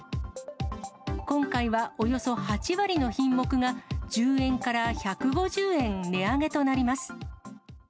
今回はおよそ８割の品目が、１０円から１５０円値上げとなります。